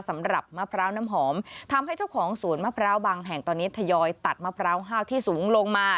สำหรับมะพร้าวน้ำหอมทำให้เจ้าของสวนมะพร้าวบางแห่งตอนนี้ทยอยตัดมะพร้าวห้าวที่สูงลงมา